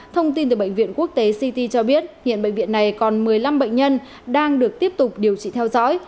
thông tin từ bệnh viện quốc tế ct cho biết hiện bệnh viện này còn một mươi năm bệnh nhân đang được tiếp tục điều trị theo dõi